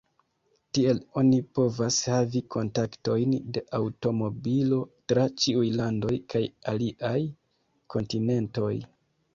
Tiel oni povas havi kontaktojn de aŭtomobilo tra ĉiuj landoj kaj aliaj kontinentoj.